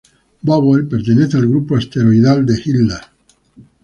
Bowell pertenece al grupo asteroidal de Hilda.